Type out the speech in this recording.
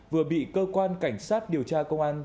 vừa bị cơ quan cảnh sát điều tra công an